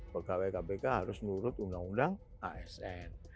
pegawai kpk harus menurut undang undang asn